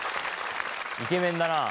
イケメンだな。